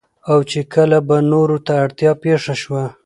او چې کله به نورو ته اړتيا پېښه شوه